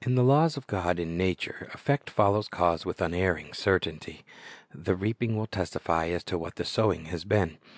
In the laws of God in nature, effect follows cause with unerring certainty. The reaping will testify as to what the sowing has been.